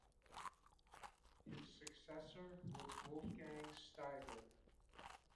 His successor was Wolfgang Steiger.